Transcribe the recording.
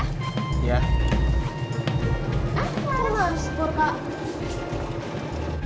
ah ada mas pur kak